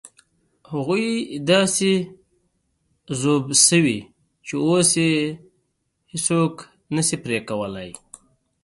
هغوی داسې ذوب شوي چې اوس یې هېڅوک نه شي پرې کولای.